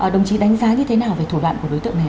đồng chí đánh giá như thế nào về thủ đoạn của đối tượng này